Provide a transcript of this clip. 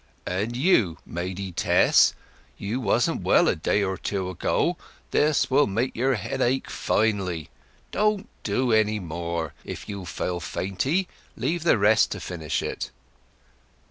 "And you, maidy Tess, you wasn't well a day or two ago—this will make your head ache finely! Don't do any more, if you feel fainty; leave the rest to finish it."